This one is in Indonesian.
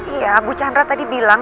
iya bu chandra tadi bilang